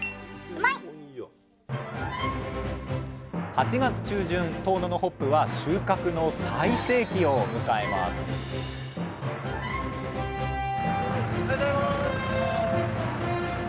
８月中旬遠野のホップは収穫の最盛期を迎えますおはようございます。